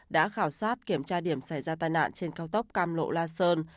đã khảo sát kiểm tra điểm xảy ra tai nạn trên cao tốc cam lộ la sơn